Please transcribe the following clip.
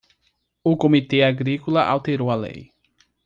O Comitê Agrícola alterou a lei